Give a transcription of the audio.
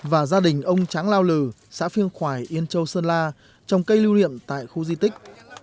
và gia đình ông tráng lao lừ xã phiêng khoài yên châu sơn la trồng cây lưu niệm tại khu di tích